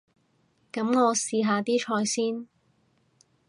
噉我試下啲菜先